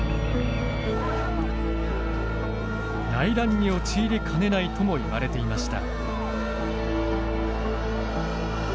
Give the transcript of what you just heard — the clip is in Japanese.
内乱に陥りかねないとも言われていました。